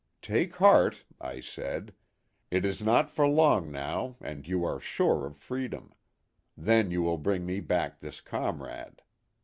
Take heart," I said ;" it is not for long now and you are sure of freedom. Then you will bring me back this comrade."